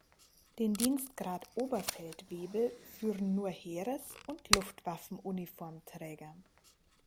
Den Dienstgrad Oberfeldwebel führen nur Heeres- und Luftwaffenuniformträger.